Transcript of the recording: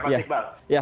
ya pak sikbal